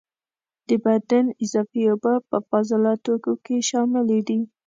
د بدن اضافي اوبه په فاضله توکو کې شاملي دي.